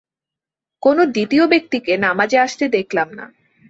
কোনো দ্বিতীয় ব্যক্তিকে নামাজে আসতে দেখলাম না।